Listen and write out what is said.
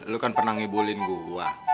lu kan pernah ngibulin gue